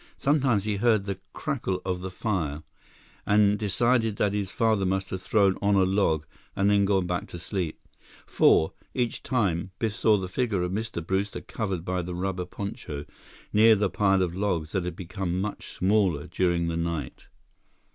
Sometimes he heard the crackle of the fire and decided that his father must have thrown on a log and then gone back to sleep. For, each time, Biff saw the figure of Mr. Brewster covered by the rubber poncho, near the pile of logs that had become much smaller during the night.